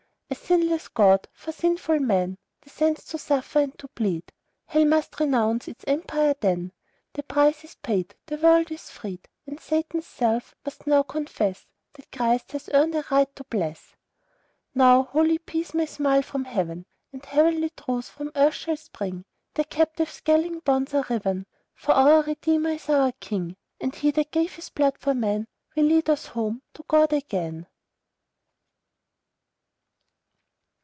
A sinless God, for sinful men, Descends to suffer and to bleed; Hell MUST renounce its empire then; The price is paid, the world is freed, And Satan's self must now confess That Christ has earned a RIGHT to bless: Now holy Peace may smile from heaven, And heavenly Truth from earth shall spring: The captive's galling bonds are riven, For our Redeemer is our king; And He that gave his blood for men Will lead us home to God again.